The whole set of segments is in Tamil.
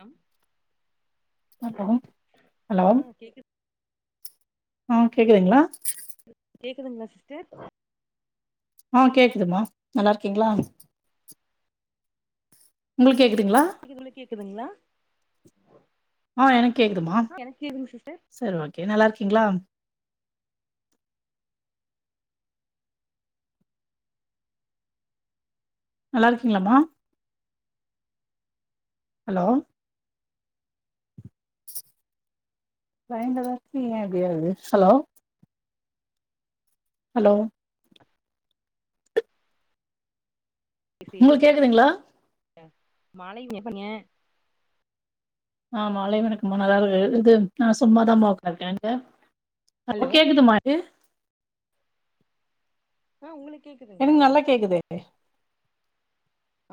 அ ஹலோ ஹலோ கேக்கு ஆ கேக்குதுங்ளா கேக்குதுங்ளா சிஸ்டர் ஆ கேக்குதுமா நல்லார்க்கீங்ளா உங்களுக்கு கேக்குதுங்ளா [inaudible] க்கு கேக்குதுங்ளா ஆ எனக்கு கேக்குதுமா சிஸ்டர் சரி ஓக்கே நல்லாருக்கீங்ளா நல்லாருக்கீங்களாம்மா ஹலோ [unintelligible] ஏ இப்படியாகுது ஹலோ ஹலோ சேரிங்க உங்களுக்கு கேக்குதுங்களா [inaudible] மாலை [inaudible] ங்க ஆ மாலை வணக்கமா நல்லாரு இது நா சும்மாதாம்மா ஒக்காந்ருக்கே ஹலோ நீங்க [inaudible] கேக்குதுமா ஏ ஆ உங்களுக்கு கேக்குது எனக்கு நல்லா கேக்குதே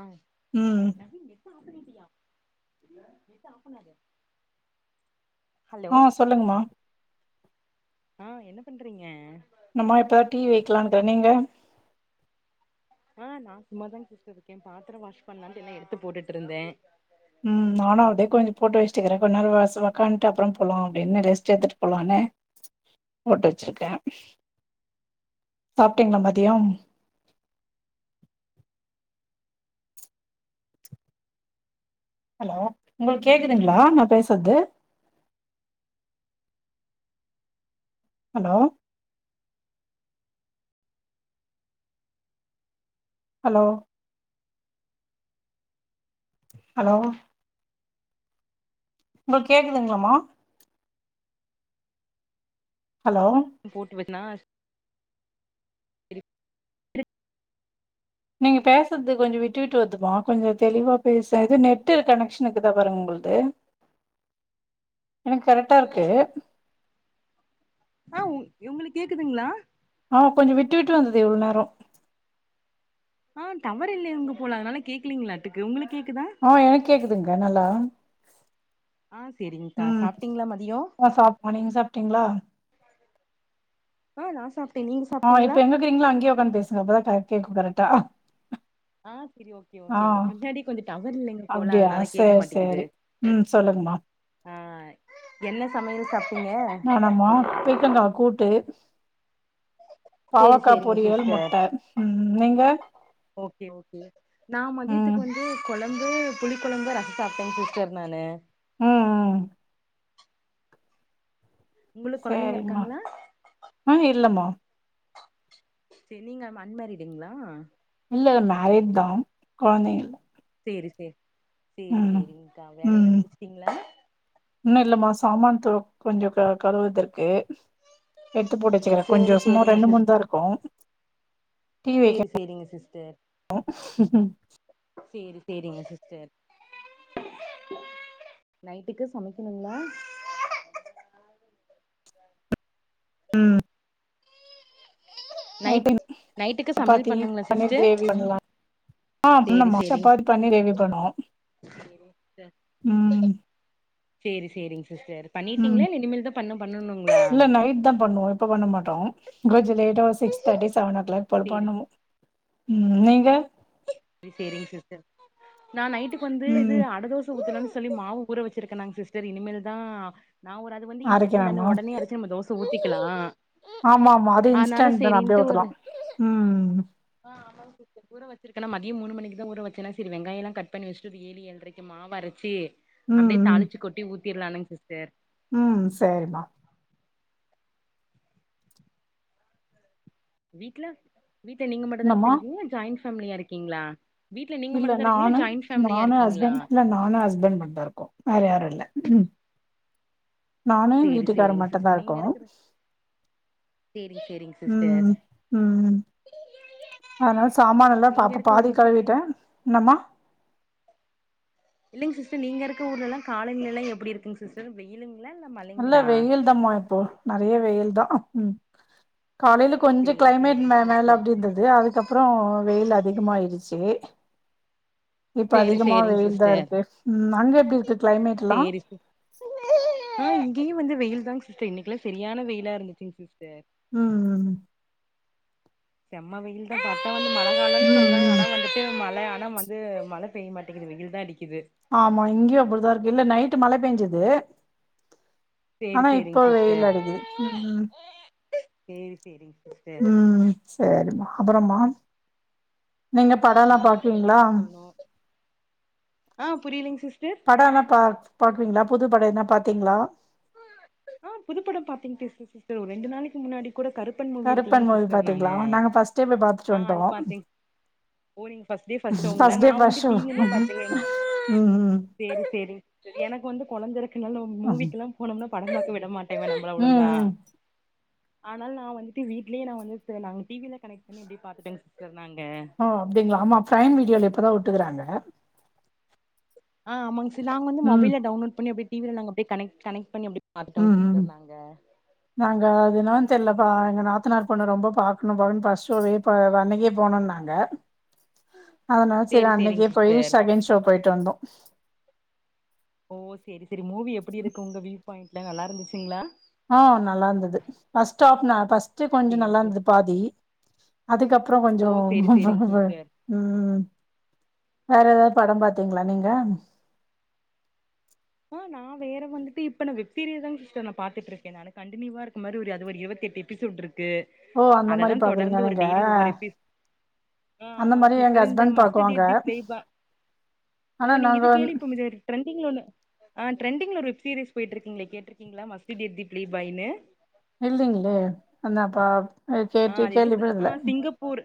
ஆ நெட் ஆஃப் பண்ணிட்டியா ஆஃப் பண்ணாத ஆ சொல்லுங்கமா ஆ என்ன பண்றீங்க ன்னமா இப்பதா டீ வெக்லான்ட்டு நீங்க ஆ நா சும்மா தா சிஸ்டர் இருக்கே பாத்ர வாஷ் பண்ணலான்ட்டு எல்லா எடுத்து போட்டுட்ருந்தே ம் நானு அப்டியே கொஞ்ச போட்டு வச்சட்டுக்றே கொஞ் நேரோ வாசல் ஒக்கான்ட்டு அப்பறம் போலா அப்டின் ரெஸ்ட் எத்துட்டு போலான்னு போட்டு வச்சிருக்கே சாப்பிட்டீங்ளா மதியம் ஹலோ உங்களுக்கு கேக்குதுங்ளா நா பேசறது ஹலோ ஹலோ ஹலோ உங்களுக் கேக்குதுங்களாம்மா ஹலோ போட்டு வெட்னார் நீங்க பேசுறது கொஞ்சோ விட்டு விட்டு வருதுமா கொஞ்சோ தெளிவா பேச இது நெட்டு கனெக்ஷன் இக்குதா பாருங்க உங்குள் டு எனக் கரெக்ட்டா இருக்கு ஆ உ உங்களுக்கு கேக்குதுங்ளா ஆ கொஞ்ச விட்டு விட்டு வந்தது இவ்ள நேரோ ஆ டவர் இல்லை அங்க போல அதனால கேக்கலீங்களாட்டுக்கு உங்களுக்கு கேக்குதா ஆ எனக்கு கேக்குதுங்க்கா நல்லா ஆ சேரிங்க்கா ம் சாப்ட்டீங்களா மதியோ ஆ சாப்டோ நீங்க சாப்ட்டீங்ளா ஆ நா சாப்ட்டே நீங்க சாப்ட்டீங்ளா ங்ரீங்ளோ அங்கயே ஒக்காந்து பேசுங்க அப்பதா கரட் கேக்கு கரக்ட்டா ஆ சரி ஓக்கே ஓக்கேங்க பின்னாடி கொஞ்ச டவர் இல்லைங்க போல அப்டியா அதனால கேட்க சேரி மாட்டக்குது சேரி ம் சொல்லுங்கமா ஆ என்ன சமயல் சாப் நானாம்மா பீக்கங்கா கூட்டு சேரி பாவக்கா சேரிங்க பொரியல் சிஸ்டர் முட்ட ம் நீங்க ஓக்கே ஓக்கே நா ம் மதியத்துக்கு வந்து கொழம்பு புளி கொழம்பு ரச சாப்ட்டே சிஸ்டர் நானு ம் ம் உங்களுக்கு கொழந்தைங்க சேரிம்மா இருக்காங்களா அ இல்லம்மா செநீங்கம் அன்மேரிடுங்ளா இல்ல மேரிட்தா கொழந்தைங்க சேரி சேர் சேரி ம் சேரிங்க்கா வேலயெல்லா ம் முடிச்சுட்டிங்ளா இன்னு இல்லம்மா சாமான் துலக் கொஞ்சொ க கழுவர்துருக்கு எத்துபோட்டுவெச்சுருக்கிற கொஞ்சொ சேரி சும்மா சேரிங்க ஒர்ஜரெண்டு சிஸ் மூண்தாருக்கூ டீ வெக்க சேரி சேரிங்க சிஸ்டர் போ ம் சேரி சேரிங்க சிஸ்டர் நைட்டுக்கு சமக்கிணுங்ளா ம் நைட் நைட்டின் நைட்டுக்கு சமையல் சப்பாத்தி பண்ணுங்களா பன்னீர் சிஸ்டர் கிரேவி பண்ணுலா ஆ சேரி பின்னம்மா சேரிங் சப்பாத்தி பண்ணி க்ரெவி பண்ணோ செர் சேரி சேரிங் சிஸ்டர் பண்ணிட்டிங்ளா இல்ல இனிமெல் தா பண்ண பண்ணணுங்ளா நைட்தா பண்ணுவோ இப்ப பண்ணமாட்டோ கிரஞ்சொ லேட்டா சிக்ஸ்தெர்ட்டி சவன் ஓ கிளாக் போல சேரி பண்ணும் ம் நீங்க ரி சேரிங் சிஸ்டர் நா நைட்டுக் வந்து இது ம் அட தோஸ் சஊத்தனுன் சொல்லி மாவு ஊற வச்சிருக்கென்னாங் சிஸ்டர் இனிமேல்தா நா ஒரு அது வந்து இன்ஸ் தான அரைக்கலாமா ஒடனே அது நம்ம தோச ஊத்திக்கில்லா ஆம்மா ஆம்மா அது இன்ஸ்டென் தன அப்டே ஊத்தலா ஒரு ம் ஆ ஆம்மாங் சிஸ்டர் ஊற வச்சுருக் கனா மதியொ மூணு மணிக்குதா ஊற வச்சென்னா செரி வெங்காயல்லா கட் பண்ணி வச்சிட்டு ஒரு ஏழு ஏழரைக்கு மாவரைச்சி ம் அப்டே ம் தாளிச்சு கொட்டி ஊத்திர்லானுங் சிஸ்டர் ம் சரிம்மா வீட்ல வீட்ல நீங்கமட்டு தாங் சி என்னம்மா இர்க்கீங்க ஜாயிண் ஃபேமிலியா இருக்கீங்ளா இல்ல நானு நானு இருக்கீங்களா ஹஸ்பெண் இல்ல நானு ஹஸ்பண் மட்டு க்கோ வேற யாரூ இல்ல ம் நானு சேரி எங்வீட்டுக்காரு சேரிங்க மட்டுந்தா சிஸ்டர் இர்க்கோ சேரி செரிங் ம் ம் ம் ம் அதுனால சாமானெல்லா நீங்க பாப்ப இருக்க பாதி ஊர் சைடுல கழுவிட்டு இன்னம்மா இல்லைங் சிஸ்டர் நீங்க இருக்க ஊர்லெல்லாங் காலநிலை எல்லா எப்புடி இருக்குங் சிஸ்டர் வெயிலுங்ளா இல்ல மழைங்குளா ந்தம்மா ப்போ நறைய வெயில்தா அ ம் காலைல கொஞ்சொ சேரி க்ளைமேட் சேரிங்க மெ மேல சிஸ்டர் அப்டிஇர்ந்துது அதுக்கப் ப்ற வெயில் அதிகமாயிடுச்சு இப்ப சேரி அதிகம்மா சேரிங்க சிஸ்டர் வெயில்தாருக்கு ம் அங்க எப்டி இருக்கு கிளைமேட்ல்லா ம் அ இங்கியுவந்து வெயில்தாங் சிஸ்டர் இன்னைக்ல்லா செரியான வெயிலா இருந்துச்சுங் சிஸ்டர் ம் ம் செம்ம வெயில்தா பாத்தா [inaudible] ம் ம் ஆனா வந்துட்டு மழ ஆன்னா வந்து மழ பெய்ய மாட்டிங்குது வெயில்தா அடிக்குது ஆம்மா இங்கியு அப்புடிதாருக்க இல்ல நைட்டு் மழை பெஞ்சுது சேரி ஆனா இப்போ சேரிங்க வெயில் சிஸ்டர் அடிக்குது ம் சேரி சேரிங் ம் சரிம்மா அப்பறம்மா நீங்க படல்லா ஆ அப்புறோ நீங்க பாக்வீங்ளா தா சொல்ணு ஆ புரியிலிங் சிஸ்டர் பாப்பிங்ளா புது பட எதுனா பாத்தீங்ளா ஆ புதுப்படம் பாத்தீங் சிஸ் சிஸ்டர் ஒரு ரெண்டு நாளைக்கு முன்னாடி கூட கரு ப்பன் மூவி இருக்குல்லை கருப்பன் மூவி சிஸ்டர் நானு பாத்தீங்களா நாங்க ஃபர்ஸ்ட் டே போய் பாத்துட்டு ஆ வந்ட்டோ அது பாத்தேங் ஓ நீங்க ஃபஸ்டே ஃபஸ்ட் ஸோங்களா ஃபர்ஸ்ட் நா டே வந்து ஃபர்ஸ்ட் ஷோ டிவிலே ம் பாத்துருவே ம் சேரி சேரி எனக்கு வந்து குழந்தை இருக்குனால ம் மூவிக்கு லா போனோம்னா படம் பாக்க விட மாட் [unintelligible] ஓழுங்க ம் ஆனால நா வந்துட்டு வீட்லே நா வந்துட்டு நாங்க டிவில கனெக்ட் பண்ணி அப்டியே பாத்துட்டேங்க சிஸ்டர் நாங்க ஓஅப்டிங்ளா ஆமா ப்ரைம் வீடியோல இப்பதா விட்டுக்கறாங்க ஆமாங்க சி நாங்க வந்து ம் மொபைல்ல டன்லோட் பண்ணி அப்டியே டிவில நாங்க அப்டியே கனெக்ட் கனெக்ட் பண்ணி அப்டி பாத்துட்டோங்க ம் ம் சிஸ்டர் நாங்க நாங்க அதுனானு தெர்லபா எங்க நாத்தனார் பொண்ணு ரொம்ப பாக்கணு பாக்கணு ஃபஷ்ட் ஷோவே ஓ அன்னைக்கே போனுனாங்க அதனால சேரி சேரிங்க அன்னைக்கே போய் சிஸ்டர் செகண்ட் ஷோ போயிட்டு வந்தோ ஓ சேரி சேரி மூவி எப்டி இருக்கு உங்க வியூ பாயிண்ட்ல நல்லா இருந்துச்சுங்களா ஆ நல்லா இருந்தது ஃபஸ்ட் ஆஃப் ஃபஸ்ட் கொஞ்சோ சேரி நல்லா சேரி இருந்தது பாதி அதுக்கப்ற கொஞ்சோ ஓ சேரி சேரிங்க சிஸ்டர் [unintelligible] ம் வேற ஏதாது படம் பாத்தீங்ளா நீங்க ஆ நா வேற வந்துட்டு இப்ப நா வெப்சீரியஸ் தா சிஸ்டர் நா பாத்துட்டு இருக்கே நானு கண்டினியூவா இருக்க மாரி அது ஒரு இருபத்தெட்டு எப் எப்பிஷோட் இருக்கு ஓ அந்த மாரி அததா பாக்குறீங்க தொடர்ந்து ஒரு நீங்க டெய்லி ஒவ்வொரு எப்பிஷோ ஆ அந்த ஆமாங்க மாரி எங்க சிஸ்டர் இந்த ஹஸ்பண்ட் மஸ்ட் பாக்குவாங்க டேட் த ப்ளே பா ஓ ஆனா நீங்க நாங்க இது வந் [unintelligible] ட்ரெண்டிங்ல ஒனு ஆ டரெண்டிங்ல ஒரு வெப்சீரியஸ் போயிட்டு இருக்குங்ளெ கேட்ருக்கீங்ளா must date the play boy னு இல்லேங்களே அதாப்பா ஆ அது இது ஆ சிங்கப்பூர்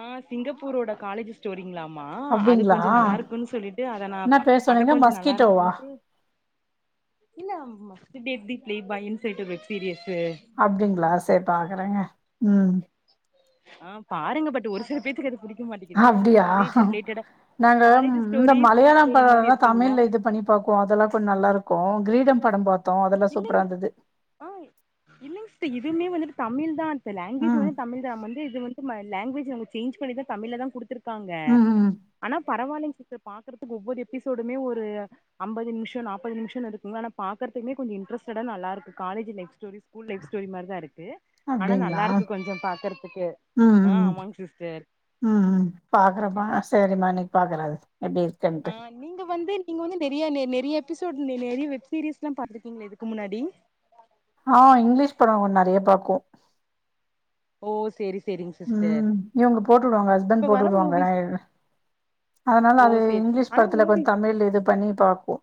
ஆ சிங்கப்பூரோட காலேஜஸ் போரிங்ளாமா அது அப்டிங்களா கொஞ்சோ நல்லா இருக்குன்னு சொல்லிட்டு அத நா என்ன பேர் அத சொன்னீங்க கொஞ்சோ நல்லா மஸ்கிட்டோவா இருக்குன்ட்டு [inaudible] இல்ல மஸ்ட் டேட் தி ப்ளே பாய்னு சொல்டு ஒரு வெப் சீரியஸ் அப்டிங்ளா சே பாக்குறேங்க ம் ஆ பாருங்க பட் ஒரு சில பேத்துக்கு அது புடி அப்டியா நாங்க காலேஜ் இந்த ஸ்டோரி ஸ்கூல் மலையாள ஸ்டோரி பட மாரி எல்லா இருக்குங்களா தமிழ்ல இது பண்ணி பாப்போ அதெல்லா கூட நல்லா இருக்கு கிரீடம் படம் பாத்தோ அதெல்லா இல்லைங் சூப்பரா இருந்தது ஆ இல்லேங்க சிஸ்டர் இதுமே வந்துட்டு தமிழ் தா அத்த லாங்குவேஜ் ம் வந்து தமிழ்தா நம்ம வந்து இது வந்து லாங்குவஜ் சேஞ்ச் பண்ணிதா தமிழ்ல தா கொடுத்திருக்காங்க ம் ம் ஆனா பரவாயலங்க சிஸ்டர் பாக்குறதுக்கு ஒவ்வொரு எபிசோடுமே ஒரு அம்பது நிமிஷ நாப்பது நிமிஷ இருக்குங்கனா பாக்றதுக்குமே கொஞ்சோ இன்ட்ரஸ்டடா நல்ல இருக்கு college life story school life story மாரிதா இருக்கு ஆனா அப்டிங்களா நல்லா இருக்கு கொஞ்சோ பாக்கறதுக்கு ம் ஆ ம் ஆமாங்க சிஸ்டர் ம் ம் பாக்குறேம்மா சரிம்மா இன்னைக்கு பாக்குறெ எப்டி இருக்குனு ஆ நீங்க வந்து நீங்க வந்து நிறைய எபிசோடு நிறைய வெப்சீரிஸ் லா பாத்துக்கீங்கள இதுக்கு முன்னாடி ஆ இங்கிலீஷ் பட நெறைய பாக்கு ஓ சேரி சேரிங் சிஸ்டர் ம் இவங்க போட்டு விடுவாங்க இப்ப ஹஸ்பண்ட் போட்டு வர விடுவாங்க ந மூவிஸ் அதனால ஓ அது சேரி இங்கிலீஷ் ஆனா படத்துல கொஞ்சோ மூவிஸ் தமிழ்ல இது பண்ணி பாப்போம்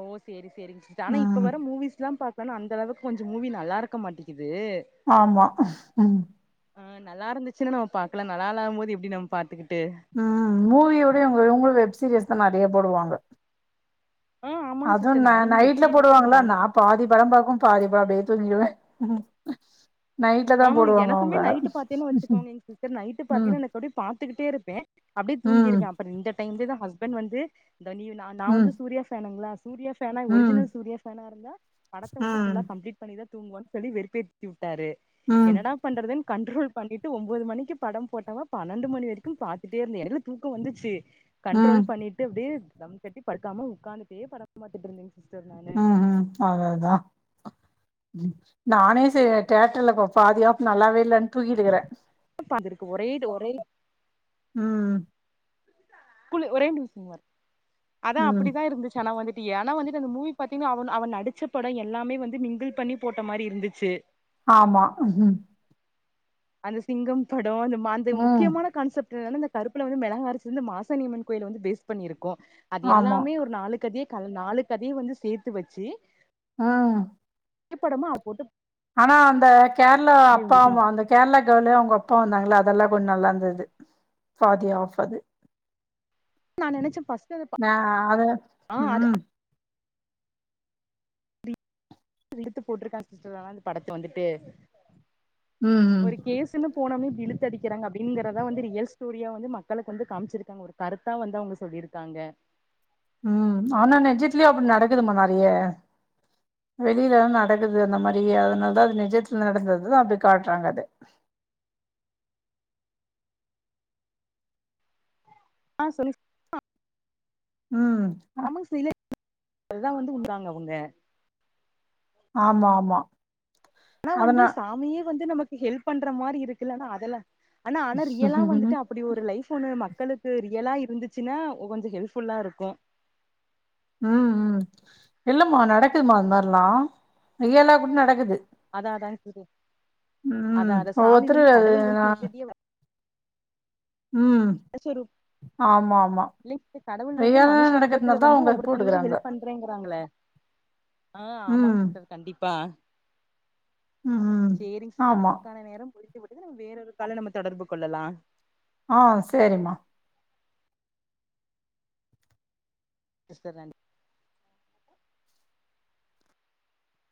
ஓ சேரி சேரி ஆனா இப்ப ம் வர மூவிஸ்ல்லா பாத் தனா அந்தளவுக்கு கொஞ்சம் மூவி நல்லாருக்க மாட்டிகிது ஆம்மா ம் ஆ நல்லாருந்துச்சுனா நம்ம பாக்லா நல்லாலாதம்மோது எப்டி நம் பாத்துகிட்டு ம் மூவியோட இவுங்க இவுங்க வெப் சீரியஸ் தா நெறைய போடுவாங்க ஆ ஆமாங்க அதுவு சிஸ்டர் நா நானுமே வெப் நைட்ல சீரிஸ்தா இப்ப போடுவாங்களா டவுன் நா பாதி படம் பாக்கு பாதி படோ அப்டியே தூங்கிடுவே ம் ஆமாங்க எனக்குமே நைட்டு பாத்தீங்கன்னா வச்சுக்கோங்க சி்ஸ்டர் நைட் ம் பாத்தீங்கன்னா எனக்கு அப்டியே பாத்துக்கிட்டேருப்பே அப்டியே தூங்கிருவே ம் அப்ப இந்த டைம்லன்னா ஹஸ்பண்ட் வந்து இந்த நீ நா நா ம் வந்து சூர்யா பேனுங்ளா சூர்யா பேனா ம் ஒரிஜினல் சூர்யா பேனாருந்தா படத்த வந்து ம் ஃபுல்லா கம்லீட் பண்ணி தா தூங்குவேனு சொல்லி வெறுப்பேத்தி வுட்டாரு ம் என்னடா பண்றதுன் கண்ட்ரோல் பண்ணிட்டு ஒன்போது மணிக்கு படம் போட்டவ பன்னெண்டு மணி வரைக்கு பாத்துட்டேருந்தே எடைல தூக்கம் வந்துச்சு கண்ட்ரோல் ம் பண்ணிட்டு அப்டியே தம் கட்டி படுக்காம உக்காந்துட்டே படம் பாத்துட்டுருந்தேங்க சிஸ்டர் நானு ம் அவ்ளோதா நானே சே தேட்டர்ல ப பாதுகாப்பு நல்லாவே இல்லன்னு தூக்கிட்டுக்கிறே தாருக்கு ஒரே இது ஒரே ம் கூலு ஒரே நிமிசோ பாரு அதா ம் அப்டிதாருந்துச்சு சனா வந்துட்டு ஏனா வந்துட்டு அந்த மூவி பாத்தீங்கினு அவெனு அவெ நடிச்ச படோ எல்லாமே வந்து மிங்கிள் பண்ணி போட்ட மாரி இருந்துச்சு ஆமா அந்த சிங்கம் படோ அந்த மாந்த ம் முக்கியமான கான்செப்ட்னால கருப்புல வந்து மெளகா அரச்சிதிலிந்து மாசானியம்மன் கோயில வந்து பேஸ் பண்ணி இருக்கு அது ஆமா எல்லாமே ஒரு நாலு கதய கலந் நாலு கதய வந்து சேத்து வச்சி ம் படமா அ போட்டு ஆனா அந்த கேரளா இருந்துச்சுங் அப்பாமா அந்தக் கேரளா கலயே அவுங்க அப்பா வந்தாங்களே அதெல்லா கொஞ்சோ நல்லாருந்துது ஃபாதி ஆஃப்பரு நா நெனச்ச ஃபஸ் நா அத ம் இழுத்து போட்டுருக்கான்னு சிஸ்டர் ஆனா அந்த படத்த வந்துட்டு ம் ம் ஒரு கேஸ் போனே இப்டி இழுத்தடிக்கிறாங்க அப்டிங்கிறத வந்து ரியல் ஸ்டோரியா வந்து மக்களுக்கு வந்து காமிச்சிருக்காங்க கருத்தா வந்து அவுங்க சொல்லிருக்காங்க ம் ஆனா நெஜத்லியு அப்டி நடக்குதுமா நெறைய வெளிலதா நடக்குது அந்த மாரி அதனால தா அது நிஜத்துல நடந்ததுதா அப்டி காட்டுறாங்க அது ஆ சொல்யுச் ம் ஆமாங்க சில அதுதா வந்து வுழ்தாங்க அவுங்க ஆமா ஆமா ஆனா வந்து அதனா சாமியே வந்து நமக்கு ஹெல்ப் பண்ற மாறி இருக்குல்லனா அதெல்லா ஆனா ஆனா ரியலா ம் வந்துட்டு அப்டி ஒரு லைஃப் ஒன்னு மக்களுக்கு ரியலா இருந்துச்சுன்னா கொஞ்சோ ஹெல்ப்ஃபுல்லா இருக்கு ம் ம் இல்லம்மா நடக்குதுமா அந்த மாரிலாம் ரியலா கூட நடக்குது அதா அதாங் [unintelligible] அதா ம் அத சாமி ஒவ்வொருத்தரு வந்து அது கடவுள் வந்து நா நேரடியே வ ம் அ ஸரூப் ஆமா ஆமா இல்லைங் சிஸ்டர் கடவுள் வந்து ரியலா மனுச ரூபத்துல நடக்கறதுனால தா வந்து அவங்க ஒவ்வொருத்தவங்களுக்கு போட்டுக்கறாங்க ஹெல்ப் பண்றேங்கறாங்கள ஆ ஆமாங்க ம் சிஸ்டர் கண்டிப்பா ம் சேரிங் சிஸ்டர் ஆமா நமக்கான நேரம் முடி [unintelligible] நம வேற ஒரு காலலே நம்ம தொடர்பு கொள்ளலா ஆ சேரிம்மா [unintelligible]